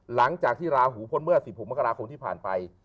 หลังจากที่ราหูพ้นเมื่อ๑๖มกราคมที่ผ่านไป